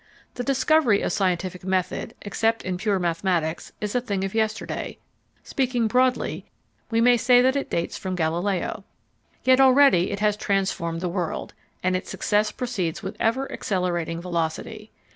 The discovery of scientific method, except in pure mathematics, is a thing of yesterday; speaking broadly, we may say that it dates from Galileo. Yet already it has transformed the world, and its success proceeds with ever accelerating velocity.